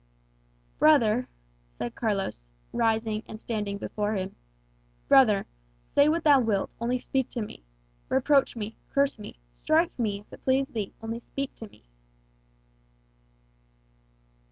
"Brother," said Carlos, rising and standing before him "brother, say what thou wilt, only speak to me. Reproach me, curse me, strike me, if it please thee, only speak to me."